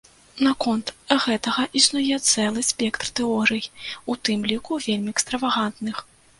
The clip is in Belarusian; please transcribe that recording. Наконт гэтага існуе цэлы спектр тэорый, у тым ліку вельмі экстравагантных.